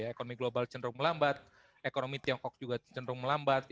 ekonomi global cenderung melambat ekonomi tiongkok juga cenderung melambat